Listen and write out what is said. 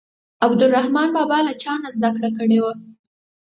عبدالرحمان بابا له چا نه زده کړه کړې وه.